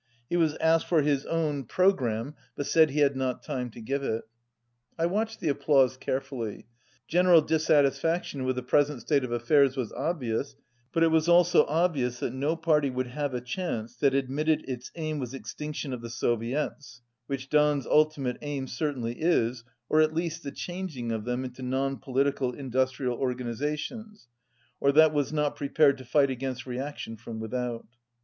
He was asked for his own pro 201 gramme, but said he had not time to give it. I watched the applause carefully. General dissatis faction with the present state of affairs was obvi ous, but it was also obvious that no party would have a chance that admitted its aim was extinction of the Soviets (which Dan's ultimate aim certainly is, or at least the changing of them into non politi cal industrial organizations) or that was not pre pared to fight against reaction from without.